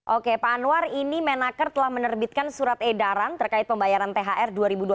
oke pak anwar ini menaker telah menerbitkan surat edaran terkait pembayaran thr dua ribu dua puluh